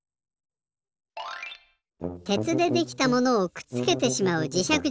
鉄でできたものをくっつけてしまうじしゃく